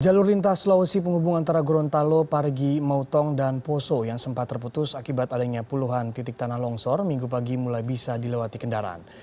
jalur lintas sulawesi penghubung antara gorontalo parigi mautong dan poso yang sempat terputus akibat adanya puluhan titik tanah longsor minggu pagi mulai bisa dilewati kendaraan